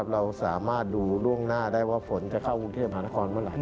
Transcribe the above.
เราสามารถดูล่วงหน้าได้ว่าฝนจะเข้ากรุงเทพหานครเมื่อไหร